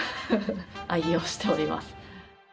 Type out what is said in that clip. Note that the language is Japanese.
愛用しております。